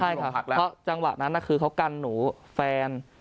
ใช่ค่ะเพราะจังหวะนั้นคือเขากันหนูแฟน